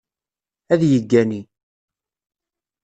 Ad yeggani.